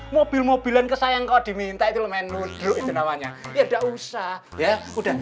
mobil mobilan kesayang kalau diminta itu namanya ya udah usah ya udah